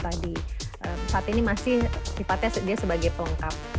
jadi saat ini masih sifatnya dia sebagai pelengkap